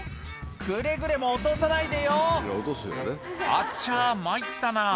くれぐれも落とさないでよ「あちゃ参ったな」